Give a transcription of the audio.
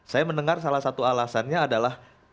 saya mendengar salah satu alasannya adalah